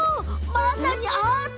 まさにアート！